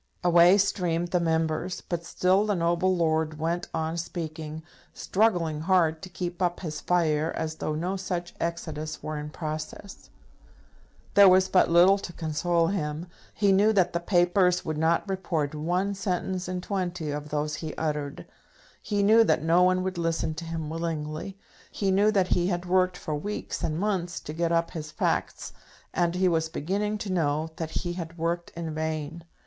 Away streamed the Members, but still the noble lord went on speaking, struggling hard to keep up his fire as though no such exodus were in process. There was but little to console him. He knew that the papers would not report one sentence in twenty of those he uttered. He knew that no one would listen to him willingly. He knew that he had worked for weeks and months to get up his facts, and he was beginning to know that he had worked in vain.